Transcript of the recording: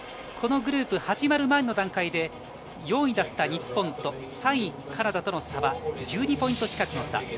このグループ、始まる前の段階で４位だった日本と３位のカナダとの差は１２ポイント近くの差。